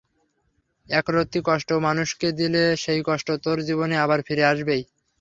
একরত্তি কষ্ট মানুষকে দিলে সেই কষ্ট তোর জীবনে আবার ফিরে আসবেই।